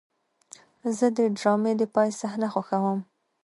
زه د ډرامې د پای صحنه خوښوم.